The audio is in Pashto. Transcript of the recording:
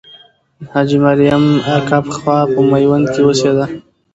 حاجي مریم اکا پخوا په میوند کې اوسېده.